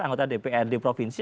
anggota dpr di provinsi